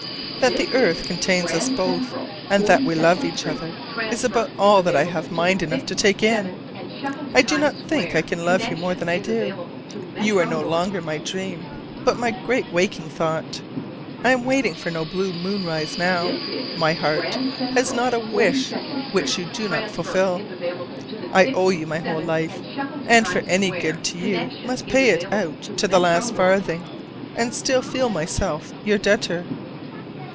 That the earth contains us both, and that we love each other, is about all that I have mind enough to take in. I do not think I can love you more than I do: you are no longer my dream but my great waking thought. I am waiting for no blue moonrise now: my heart has not a wish which you do not fulfill. I owe you my whole life, and for any good to you must pay it out to the last farthing, and still feel myself your debtor.